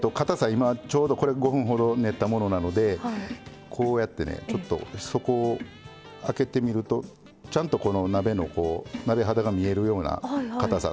今ちょうどこれ５分ほど練ったものなのでこうやってねちょっと底を開けてみるとちゃんとこのお鍋の鍋肌が見えるようなかたさ。